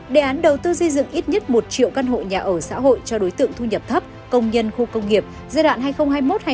đề án đầu tư di dựng ít nhất một triệu căn hộ nhà ở xã hội cho đối tượng thu nhập thấp công nhân khu công nghiệp giai đoạn hai nghìn hai mươi một hai nghìn ba mươi